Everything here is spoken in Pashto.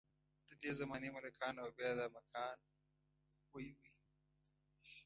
ددې زمانې ملکان او بیا دا ملکان وۍ وۍ.